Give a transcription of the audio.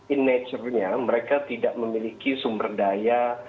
in nature nya mereka tidak memiliki sumber daya